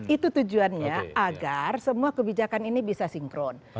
itu tujuannya agar semua kebijakan ini bisa sinkron